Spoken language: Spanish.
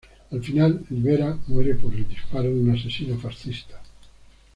Al final, Libera muere por el disparo de un asesino fascista.